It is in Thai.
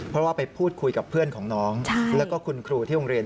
เพราะว่าไปพูดคุยกับเพื่อนของน้องแล้วก็คุณครูที่โรงเรียน